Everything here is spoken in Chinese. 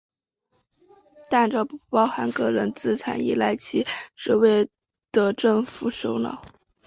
但这不包含个人资产依赖其职位的政府首脑。